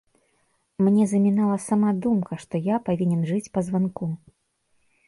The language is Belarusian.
Мне замінала сама думка, што я павінен жыць па званку.